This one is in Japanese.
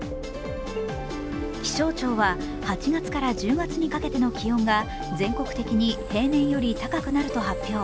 気象庁は８月から１０月にかけての気温が全国的に平年より高くなると発表。